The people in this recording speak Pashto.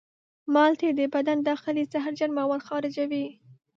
مالټې د بدن داخلي زهرجن مواد خارجوي.